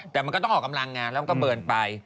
แต่มันก็ต้องออกกำลังงานแล้วมันก็เบิร์นไป